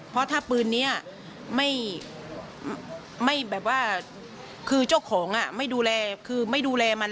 เพราะถ้าปืนนี้ไม่แบบว่าคือเจ้าของไม่ดูแลคือไม่ดูแลมัน